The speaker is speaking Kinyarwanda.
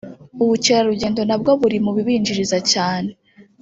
ubukerarugendo kandi nabwo buri mu bibinjiriza cyane